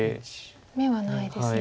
眼はないですね。